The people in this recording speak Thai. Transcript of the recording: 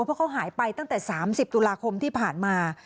เพราะเขาหายไปตั้งแต่๓๐ตุลาคมที่ผ่านมา